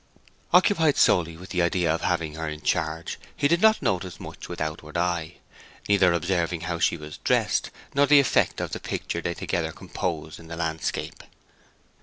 Occupied solely with the idea of having her in charge, he did not notice much with outward eye, neither observing how she was dressed, nor the effect of the picture they together composed in the landscape.